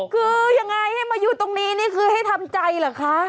คือยังไงให้มาอยู่ตรงนี้นี่คือให้ทำใจเหรอคะ